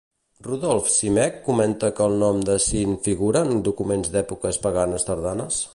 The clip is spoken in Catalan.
Rudolf Simek comenta que el nom de Syn figura en documents d'èpoques paganes tardanes?